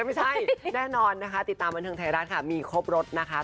ไม่ใช่แน่นอนนะคะติดตามบันเทิงไทยรัฐค่ะมีครบรถนะคะ